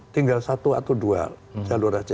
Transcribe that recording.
tinggal satu atau dua jalur saja